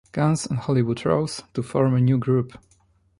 Guns and Hollywood Rose to form a new group.